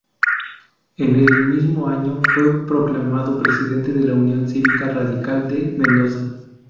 En el mismo año fue proclamado presidente de la Unión Cívica Radical de Mendoza.